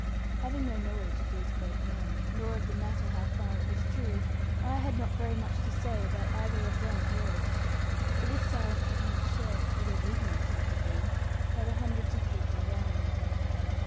Having no knowledge of these great men, nor of the matter how far it was true, I had not very much to say about either of them or it; but this silence was not shared (although the ignorance may have been) by the hundreds of people around me.